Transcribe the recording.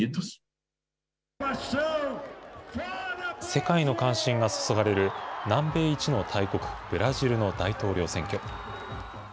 世界の関心が注がれる南米一の大国、ブラジルの大統領選挙。